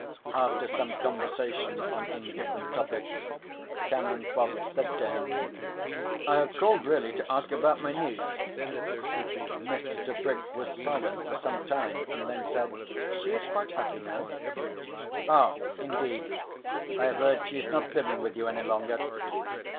After some conversation on indifferent topics Canon Fox said to him: "I have called really to ask about my niece." Mr. Tebrick was silent for some time and then said: "She is quite happy now." "Ah indeed. I have heard she is not living with you any longer."